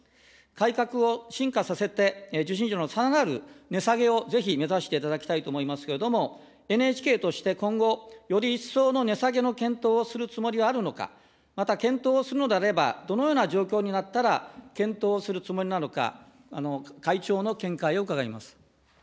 改革を深化させて、受信料のさらなる値下げをぜひ目指していただきたいと思いますけれども、ＮＨＫとして今後、より一層の値下げの検討をするつもりはあるのか、また検討をするのであれば、どのような状況になったら検討をするつもりなのか、会長の見解を伺います。